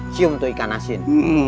sium tuh ikan asin